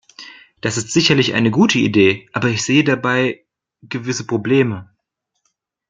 Das ist sicherlich eine gute Idee, aber ich sehe dabei gewisse Probleme.